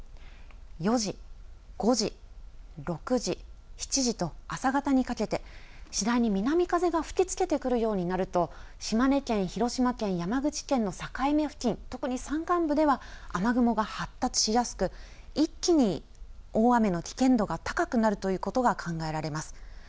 ４時、５時、６時、７時と朝方にかけて、次第に南風が吹きつけてくるようになると、島根県、広島県、山口県の境目付近、特に山間部では、雨雲が発達しやすく、一気に大雨の危険度が高くなるということが考えられます。